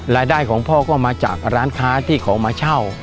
รายได้ของพ่อก็มาจากร้านค้าที่เขามาเช่า